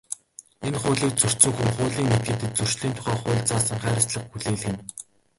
Энэ хуулийг зөрчсөн хүн, хуулийн этгээдэд Зөрчлийн тухай хуульд заасан хариуцлага хүлээлгэнэ.